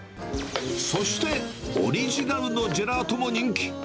そして、オリジナルのジェラートも人気。